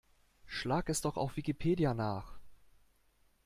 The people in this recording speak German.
Schlag es doch auf Wikipedia nach!